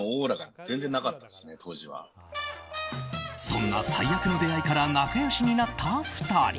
そんな最悪の出会いから仲良しになった２人。